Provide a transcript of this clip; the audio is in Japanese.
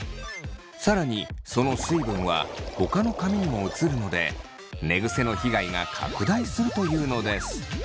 更にその水分はほかの髪にも移るので寝ぐせの被害が拡大するというのです。